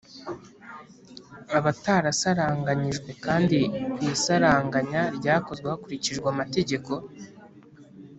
Abatarasaranganyijwe kandi ku isaranganya ryakozwe hakurikijwe amategeko